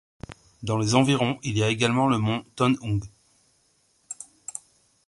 Dans les environs, il y a également le Mont Tonhung.